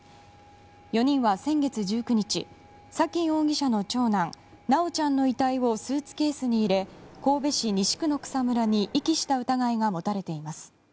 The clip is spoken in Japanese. ４人は先月１９日沙喜容疑者の長男修ちゃんの遺体をスーツケースに入れ神戸市西区の草むらに遺棄した疑いが持たれています。